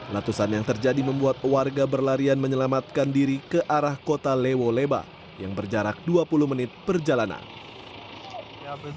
letusan yang terjadi membuat warga berlarian menyelamatkan diri ke arah kota lewo leba yang berjarak dua puluh menit perjalanan